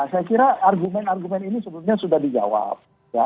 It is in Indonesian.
saya kira argumen argumen ini sebetulnya sudah dijawab